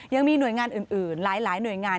ยังมีหน่วยงานอื่นหลายหน่วยงาน